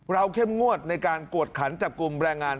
เข้มงวดในการกวดขันจับกลุ่มแรงงาน